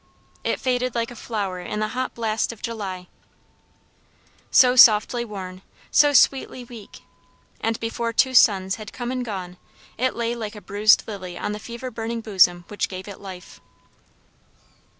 It faded like a flower in the hot blast of July, "So softly worn, so sweetly weak," and before two suns had come and gone, it lay like a bruised lily on the fever burning bosom which gave it life.